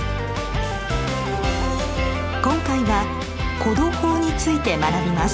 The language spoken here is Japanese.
今回は「弧度法」について学びます。